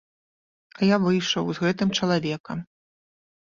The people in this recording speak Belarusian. А я выйшаў з гэтым чалавекам.